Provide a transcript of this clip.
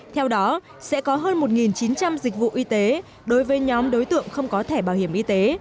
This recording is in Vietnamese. theo đó sẽ có hơn một chín trăm linh dịch vụ y tế đối với nhóm đối tượng không có thẻ bảo hiểm y tế